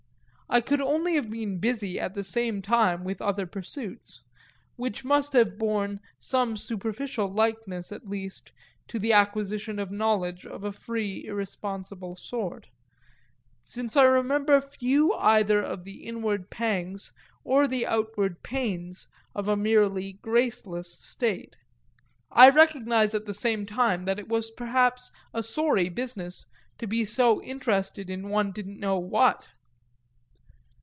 I could only have been busy, at the same time, with other pursuits which must have borne some superficial likeness at least to the acquisition of knowledge of a free irresponsible sort; since I remember few either of the inward pangs or the outward pains of a merely graceless state. I recognise at the same time that it was perhaps a sorry business to be so interested in one didn't know what.